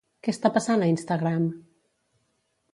Què està passant a Instagram?